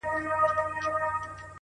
وخت د ژمنتیا کچه څرګندوي.!